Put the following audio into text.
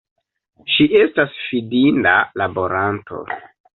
Ŝi estas fidinda laboranto.